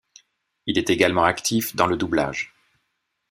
Il est également actif dans le doublage.